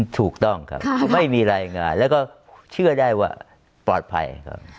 ถูกต้องครับไม่มีรายงานแล้วก็เชื่อได้ว่าปลอดภัยครับ